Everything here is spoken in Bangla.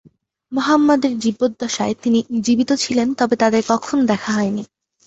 মুহাম্মদ এর জীবদ্দশায় তিনি জীবিত ছিলেন তবে তাদের কখনো দেখা হয়নি।